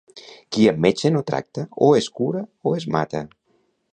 Qui amb metge no tracta o es cura o es mata.